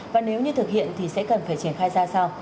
và nếu như thực hiện thì sẽ cần phải triển khai ra sao